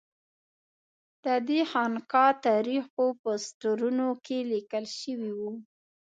ددې خانقا تاریخ په پوسټرونو کې لیکل شوی و.